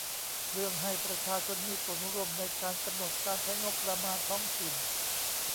เรื่องให้ประชาชนมีส่วนร่วมในการกำหนดการใช้งบประมาณท้องถิ่น